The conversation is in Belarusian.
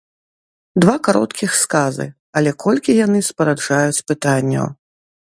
Два кароткіх сказы, але колькі яны спараджаюць пытанняў!